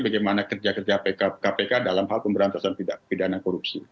bagaimana kerja kerja kpk dalam hal pemberantasan pidana korupsi